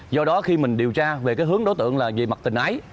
do đó khi mình điều tra về cái hướng đối tượng là về mặt tình ái